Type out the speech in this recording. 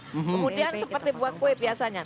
kemudian seperti buat kue biasanya